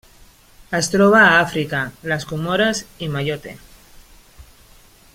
Es troba a Àfrica: les Comores i Mayotte.